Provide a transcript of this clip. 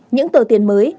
những tờ tiền mới